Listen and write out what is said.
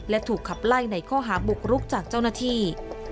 และถูกขับไล่ในข้อหาบุกรุกจากเจ้าหน้าที่